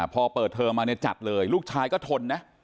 พอเปิดเทอร์มาจัดเลยลูกชายก็ทนนะ